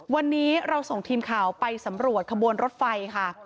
วันนี้เราส่งทีมข่าวไปสำรวจขบวนรถไฟค่ะ